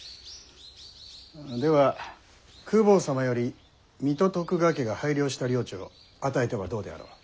では公方様より水戸徳川家が拝領した領地を与えてはどうであろう？